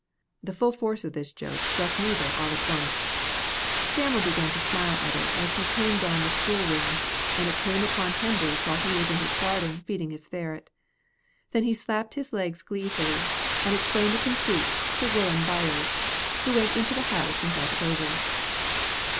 The full force of this joke struck neither all at once. Sam'l began to smile at it as he turned down the school wynd, and it came upon Henders while he was in his garden feeding his ferret. Then he slapped his legs gleefully, and explained the conceit to Will'um Byars, who went into the house and thought it over.